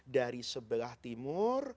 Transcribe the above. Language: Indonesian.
dari sebelah timur